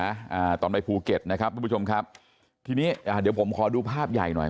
อ่าตอนไปภูเก็ตนะครับทุกผู้ชมครับทีนี้อ่าเดี๋ยวผมขอดูภาพใหญ่หน่อย